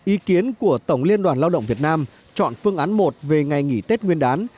ý kiến của tổng liên đoàn lao động việt nam chọn phương án một về ngày nghỉ tết nguyên đán